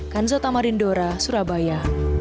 kanjotamarin dora surabaya